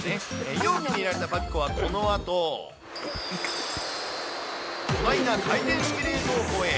容器に入れられたパピコはこのあと、巨大な回転式冷蔵庫へ。